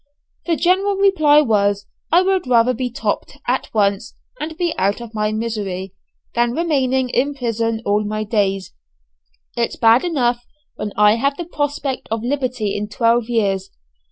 The general reply was "I would rather be 'topt' at once, and be out of my misery, than remain in prison all my days." "It's bad enough when I have the prospect of liberty in twelve years."